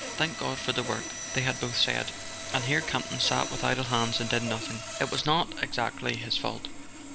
"Thank God for the work " they had both said. And here Campton sat with idle hands, and did nothing It was not exactly his fault.